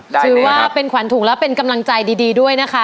ได้เลยค่ะคือว่าเป็นขวัญถุงแล้วเป็นกำลังใจดีดีด้วยนะคะ